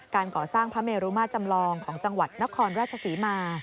การก่อสร้างพระเมรุมาตรจำลองของจังหวัดนครราชศรีมา